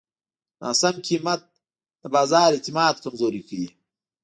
ناسم قیمت د بازار اعتماد کمزوری کوي.